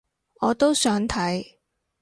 我都想睇